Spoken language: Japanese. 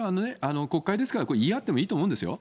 国会ですから、言い合ってもいいと思うんですよ。